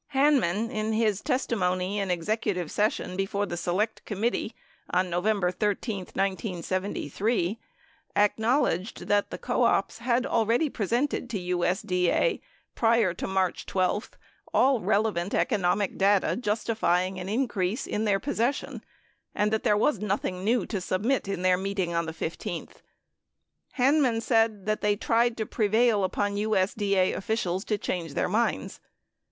7 Hanman, in his testimony in executive session before the Select Committee on November 13, 1973, acknowledged that the co ops had already presented to USDA prior to March 12 all relevant economic data justifying an increase in their possession and that, there was nothing new to submit in their meeting on the 15tli. 8 Hanman said that they tried to prevail upon USDA officials to change their minds.